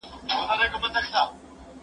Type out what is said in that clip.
حیا ویلي وو چې ویره لري.